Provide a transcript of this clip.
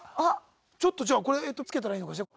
ちょっとじゃあこれえとつけたらいいのかしら？